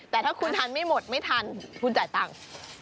แต่ถ้าคุณทานไม่หมดไม่ทันคุณจ่ายตังค์